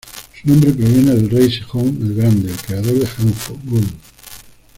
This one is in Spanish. Su nombre proviene del Rey Sejong el Grande, el creador de Hangul.